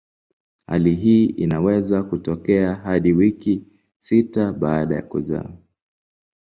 Hali hii inaweza kutokea hadi wiki sita baada ya kuzaa.